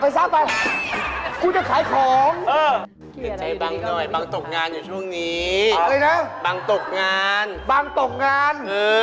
ไม่ได้เปล่างูดูนงูในถนักเลย